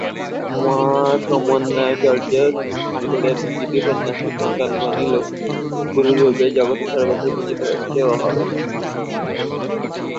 মহাসমন্বয়াচার্য ঠাকুরের কৃতী সন্ন্যাসী সন্তানগণই লোকগুরুরূপে জগতের সর্বত্র পূজিত হচ্ছে ও হবে।